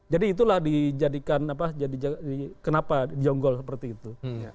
jadi itulah dijadikan kenapa jonggol seperti itu